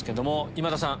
今田さん